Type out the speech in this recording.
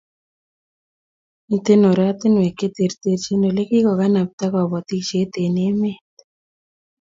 Mitei oratinwek che terchin Ole kikanabtai kobotisiet eng emet